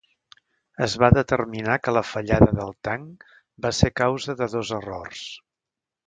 Es va determinar que la fallada del tanc va ser a causa de dos errors.